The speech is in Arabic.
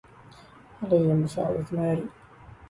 علي مساعدة ماري.